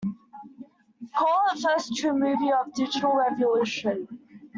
Call it the first true movie of the digital revolution.